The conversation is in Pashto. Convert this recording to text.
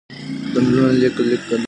د نلونو لیک کیدل باید ودرول شي.